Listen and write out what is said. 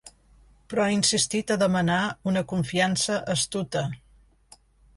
Però ha insistit a demanar una confiança astuta.